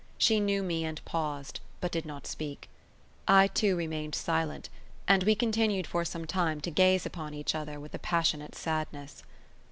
She knew me and paused, but did not speak; I, too, remained silent; and we continued for some time to gaze upon each other with a passionate sadness.